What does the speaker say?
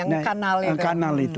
ya yang kanal itu